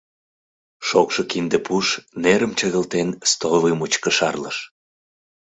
Шокшо кинде пуш, нерым чыгылтен, столовый мучко шарлыш.